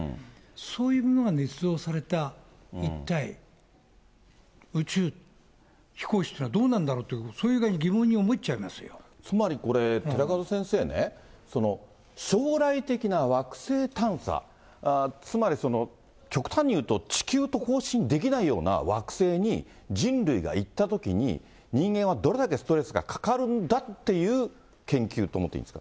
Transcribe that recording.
そういうものがねつ造された、一体、宇宙飛行士というのはどうなんだろうと、つまりこれ、寺門先生ね、将来的な惑星探査、つまりその極端に言うと、地球と交信できないような惑星に人類が行ったときに、人間はどれだけストレスがかかるんだっていう研究と思っていいんですか。